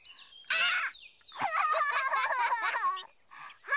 あっ！